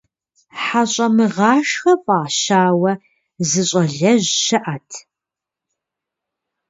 ХьэщӀэмыгъашхэ фӀащауэ, зы щӀалэжь щыӀэт.